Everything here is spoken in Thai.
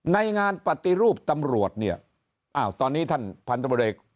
ในงานปฏิรูปตำรวจเนี่ยอ้าวตอนนี้ท่านพันธบริก